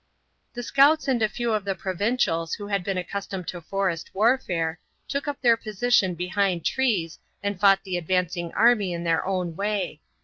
The scouts and a few of the provincials who had been accustomed to forest warfare, took up their position behind trees and fought the advancing enemy in their own way.